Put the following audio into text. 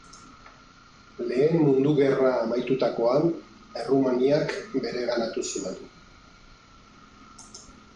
Lehen Mundu Gerra amaitutakoan Errumaniak bereganatu zuen.